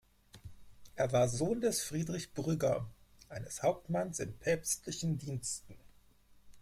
Er war Sohn des Friedrich Brügger, eines Hauptmanns in päpstlichen Diensten.